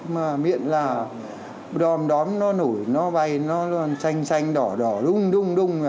mà miệng là đòm đóm nó nổi nó bay nó xanh xanh đỏ đỏ đung đung đung